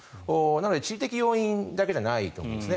なので地理的要因だけじゃないと思うんです。